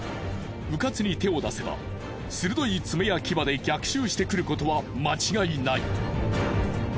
うかつに手を出せば鋭い爪や牙で逆襲してくることは間違いない。